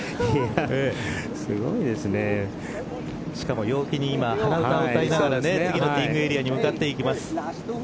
しかも陽気に今鼻歌を歌いながら次のティーイングエリアに向かっていきます。